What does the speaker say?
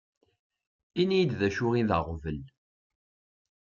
Ini-yi-d d acu i d aɣbel.